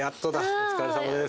お疲れさまです。